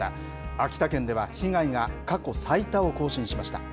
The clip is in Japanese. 秋田県では被害が過去最多を更新しました。